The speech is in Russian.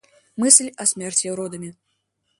Мысль о смерти родами.